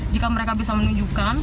jika mereka bisa menunjukkan